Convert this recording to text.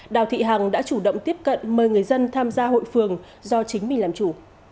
đào thị hằng đã chủ động tiếp cận mời người dân tham gia hội phường do chính mình làm chủ